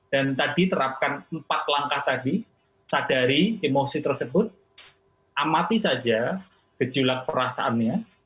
dan tadi terapkan empat langkah tadi sadari emosi tersebut amati saja gejolak perasaannya